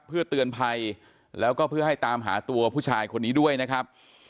เพื่อเตือนภัยแล้วก็เพื่อให้ตามหาตัวผู้ชายคนนี้ด้วยนะครับ